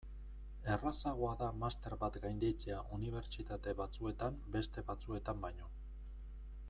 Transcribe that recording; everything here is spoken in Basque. Errazagoa da master bat gainditzea unibertsitate batzuetan beste batzuetan baino.